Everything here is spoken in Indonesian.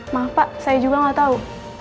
maaf pak saya juga nggak tahu